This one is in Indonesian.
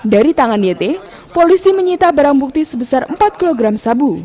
dari tangan yt polisi menyita barang bukti sebesar empat kg sabu